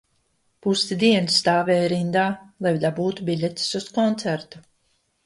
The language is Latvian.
Pusi dienas stāvēja rindā, lai dabūtu biļetes uz koncertu